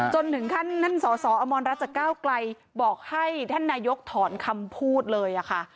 จนถึงท่านนั่นสออมรรจกล้าวไกลบอกให้ท่านนายกถอนคำพูดเลยค่ะ